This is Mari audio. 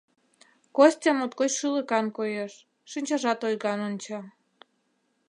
Костя моткоч шӱлыкан коеш, шинчажат ойган онча.